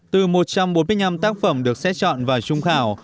từ một trăm bốn mươi năm tác phẩm được xét chọn và trung khảo